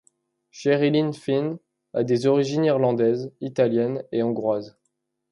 Sherilyn Fenn a des origines irlandaise, italienne et hongroise.